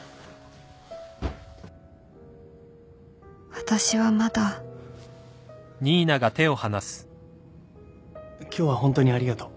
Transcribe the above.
私はまだ今日はホントにありがとう。